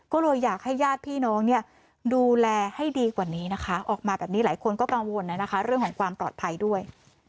ก็เลยอยากให้ญาติพี่น้องเนี่ยดูแลให้ดีกว่านี้นะคะออกมาแบบนี้หลายคนก็กังวลนะคะเรื่องของความปลอดภัยด้วย